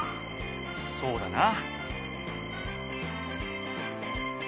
そうだな。